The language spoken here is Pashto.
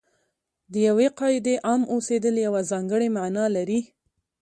د یوې قاعدې عام اوسېدل یوه ځانګړې معنا لري.